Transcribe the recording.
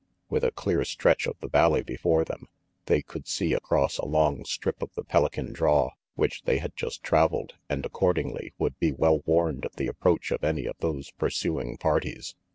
With a clear stretch of the valley before them, they could see across a long strip of the Pelican draw which they had just traveled, and accordingly would be well warned of the approach of any of those pur suing parties.